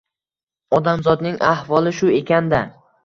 Odamzodning ahvoli shu ekan-da.